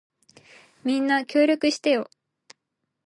みんな、協力してよ。